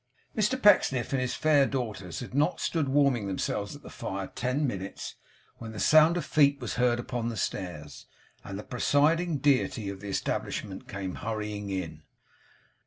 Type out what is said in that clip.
Mr Pecksniff and his fair daughters had not stood warming themselves at the fire ten minutes, when the sound of feet was heard upon the stairs, and the presiding deity of the establishment came hurrying in.